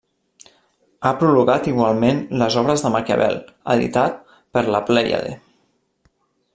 Ha prologat igualment les Obres de Maquiavel editat per La Plèiade.